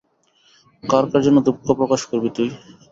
কার কার জন্য দুঃখপ্রকাশ করবি তুই?